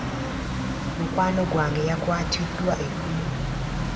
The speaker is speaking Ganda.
Mukwano gwange yakwatiddwa eggulo.